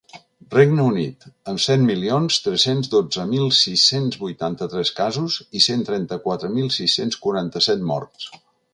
Regne Unit, amb set milions tres-cents dotze mil sis-cents vuitanta-tres casos i cent trenta-quatre mil sis-cents quaranta-set morts.